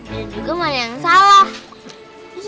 dan juga mana yang salah